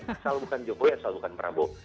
asal bukan jokowi asal bukan prabowo